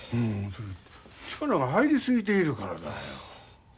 そりゃ力が入り過ぎているからだよ。